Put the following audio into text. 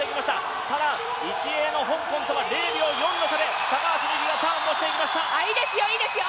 ただ１位の香港とは０．４秒の差で高橋美紀、ターンしていきました。